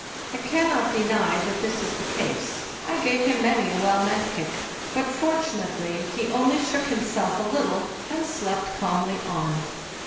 I cannot deny that this is the case; I gave him many a well meant kick, but fortunately he only shook himself a little and slept calmly on.